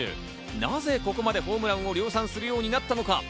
なぜここまでホームランを量産するようになったのか？